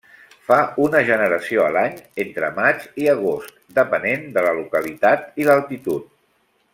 Fa una generació a l'any entre maig i agost, depenent de la localitat i l'altitud.